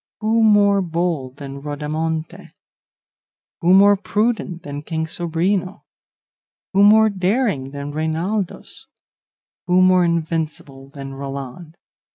Who more bold than Rodamonte? Who more prudent than King Sobrino? Who more daring than Reinaldos? Who more invincible than Roland?